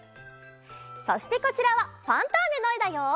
そしてこちらは「ファンターネ！」のえだよ。